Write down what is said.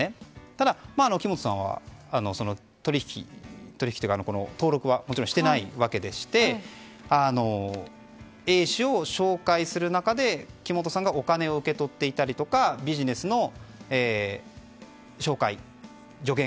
ただ、木本さんは登録はしていないわけでしてＡ氏を紹介する中で、木本さんがお金を受け取っていたりとかビジネスの紹介、助言